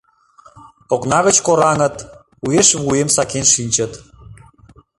Окна гыч кораҥыт, уэш вуйым сакен шинчыт.